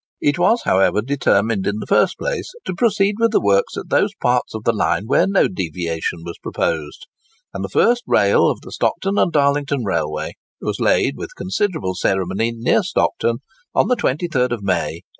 It was, however, determined in the first place to proceed with the works at those parts of the line where no deviation was proposed; and the first rail of the Stockton and Darlington Railway was laid with considerable ceremony, near Stockton, on the 23rd May, 1822.